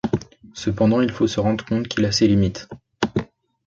Cependant, il faut se rendre compte qu'il a ses limites.